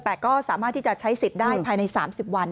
แต่ก็สามารถที่จะใช้สิทธิ์ได้ภายใน๓๐วัน